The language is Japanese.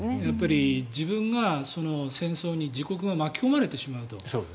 やっぱり自分が、戦争に自国が巻き込まれてしまうと。